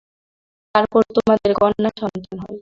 তারপর তোমাদের কন্যা সন্তান হয়।